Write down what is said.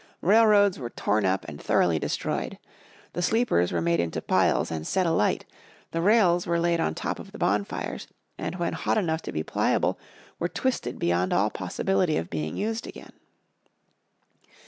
Railroads were torn up and thoroughly destroyed. The sleepers were made into piles and set alight, the rails were laid on the top of the bonfires, and when hot enough to be pliable were twisted beyond all possibility of being used again.